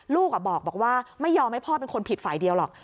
ลูกบอกว่าไม่ยอมให้พ่อเป็นคนผิดฝ่ายเดียวหรอก